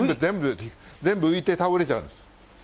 全部浮いて倒れちゃうんです。